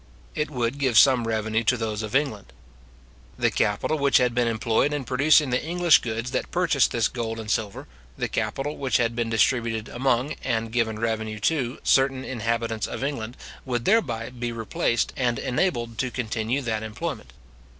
It would give some revenue to those of England. The capital which had been employed in producing the English goods that purchased this gold and silver, the capital which had been distributed among, and given revenue to, certain inhabitants of England, would thereby be replaced, and enabled to continue that employment.